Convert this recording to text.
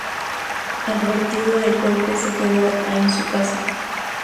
Advertido del golpe se quedó a en su casa.